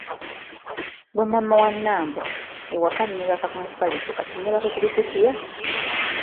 Gwe maama wa Nambo, ewaka nebaka ku mufaliso kati nebake ku bikutiya?”